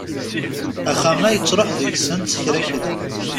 Axxam-a yettruḥ deg-sent kra kra.